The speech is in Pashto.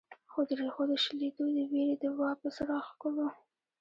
خو د ريښو د شلېدو د وېرې د واپس راښکلو